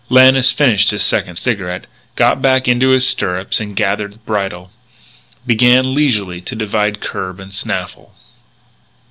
Lannis finished his second cigarette, got back into his stirrups and, gathering bridle, began leisurely to divide curb and snaffle.